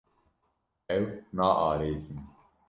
Ew naarêsin.